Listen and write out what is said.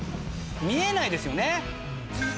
見えないですよね。